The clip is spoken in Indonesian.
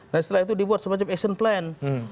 nah setelah itu dibuat semacam action plan